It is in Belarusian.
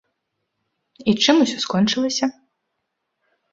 І чым усё скончылася?